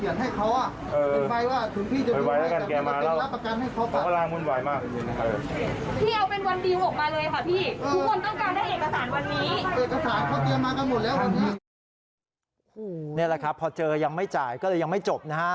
นี่แหละครับพอเจอยังไม่จ่ายก็เลยยังไม่จบนะฮะ